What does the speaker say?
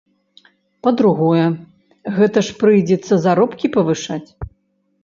Па-другое, гэта ж прыйдзецца заробкі павышаць!